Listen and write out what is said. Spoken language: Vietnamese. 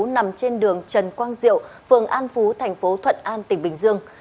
nằm trên đường trần quang diệu phường an phú thành phố thuận an tỉnh bình dương